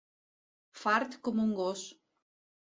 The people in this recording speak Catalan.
Fart com un gos.